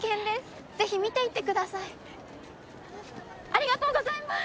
ありがとうございます！